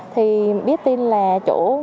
thì biết tin là chỗ